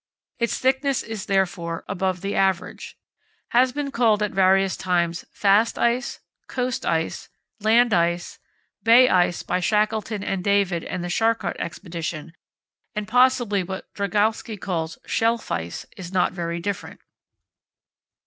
Its thickness is, therefore, above the average. Has been called at various times "fast ice," "coast ice," "land ice," "bay ice" by Shackleton and David and the Charcot Expedition; and possibly what Drygalski calls Schelfeis is not very different.